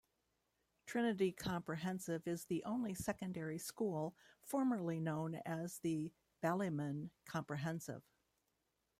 Trinity Comprehensive is the only secondary school formerly known as the Ballymun Comprehensive.